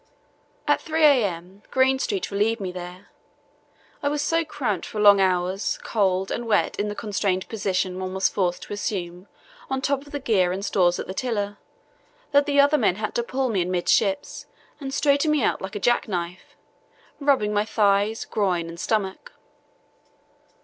At 3 a.m. Greenstreet relieved me there. I was so cramped from long hours, cold, and wet, in the constrained position one was forced to assume on top of the gear and stores at the tiller, that the other men had to pull me amidships and straighten me out like a jack knife, first rubbing my thighs, groin, and stomach.